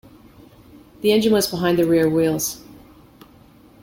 The engine was behind the rear wheels.